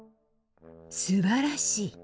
「すばらしい！